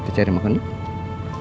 kita cari makan nih